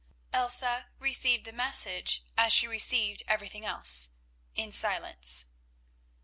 Elsa received the message as she received everything else, in silence.